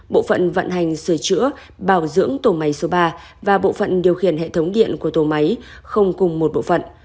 bộ phận vận hành sửa chữa bảo dưỡng tổ máy số ba và bộ phận điều khiển hệ thống điện của tổ máy không cùng một bộ phận